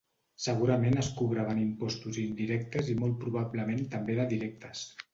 Segurament es cobraven impostos indirectes i molt probablement també de directes.